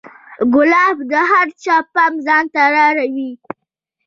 ګلاب د هر چا پام ځان ته را اړوي.